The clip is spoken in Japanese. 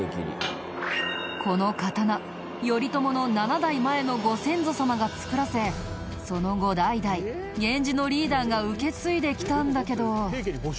この刀頼朝の７代前のご先祖様が作らせその後代々源氏のリーダーが受け継いできたんだけど。